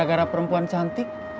gara gara perempuan cantik